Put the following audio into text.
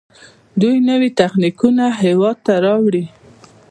دوی نوي تخنیکونه هیواد ته راوړي.